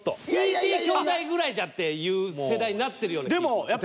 ＴＴ兄弟ぐらいじゃっていう世代になってるような気します。